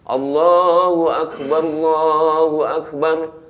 allahu akbar allahu akbar